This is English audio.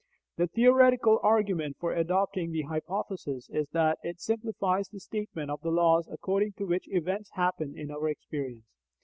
The theoretical argument for adopting the hypothesis is that it simplifies the statement of the laws according to which events happen in our experience.